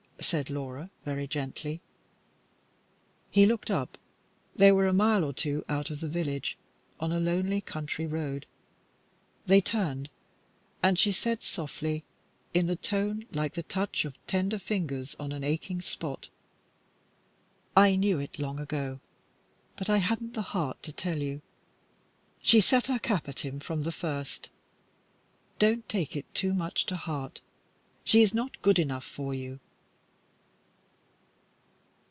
said Laura, very gently. He looked up. They were a mile or two out of the village on a lonely country road. They turned, and she said, softly, in the tone like the touch of tender fingers on an aching spot "I knew it long ago, but I hadn't the heart to tell you. She set her cap at him from the first. Don't take it too much to heart. She is not good enough for you."